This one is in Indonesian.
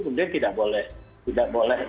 kemudian tidak boleh